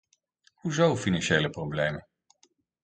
Hoezo financiële problemen?